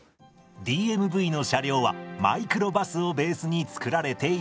ＤＭＶの車両はマイクロバスをベースに作られています。